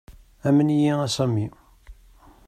Amen-iyi a Sami.